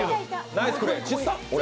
ナイスプレー、小さっ、俺。